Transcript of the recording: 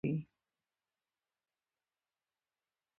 سنگ مرمر د افغانستان د اوږدمهاله پایښت لپاره مهم رول لري.